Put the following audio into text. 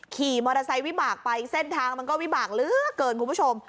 ขี่มอเตอร์ไซค์วิบากไปเส้นทางมันก็วิบากเหลือเกินคุณผู้ชม